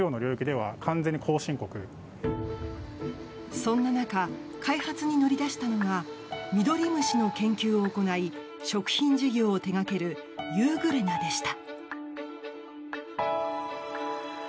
そんな中開発に乗り出したのがミドリムシの研究を行い食品事業を手掛けるユーグレナでした。